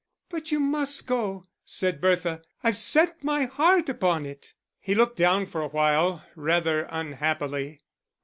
"But you must go," said Bertha. "I've set my heart upon it." He looked down for a while, rather unhappily.